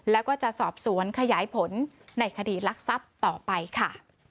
แล้วก็จะสอบสวนขยายผลในคดีรักทรัพย์ต่อไปค่ะ